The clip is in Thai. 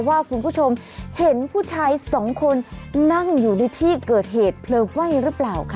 ว่าคุณผู้ชมเห็นผู้ชายสองคนนั่งอยู่ในที่เกิดเหตุเพลิงไหม้หรือเปล่าค่ะ